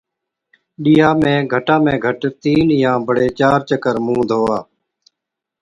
ڏِيها ۾ گھٽا ۾ گھٽ تِين يان بڙي چار چڪر مُونه ڌوا